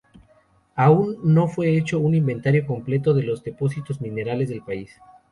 Aún no fue hecho un inventario completo de los depósitos minerales del país.